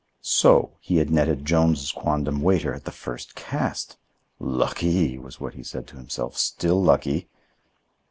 So! he had netted Jones' quondam waiter at the first cast! "Lucky!" was what he said to himself, "still lucky!"